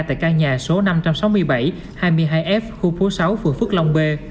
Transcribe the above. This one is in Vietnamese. tại căn nhà số năm trăm sáu mươi bảy hai mươi hai f khu phố sáu phường phước long b